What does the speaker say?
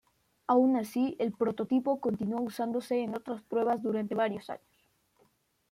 Aun así, el prototipo continuó usándose en otras pruebas durante varios años.